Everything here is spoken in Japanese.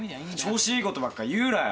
調子いいことばっか言うなよ。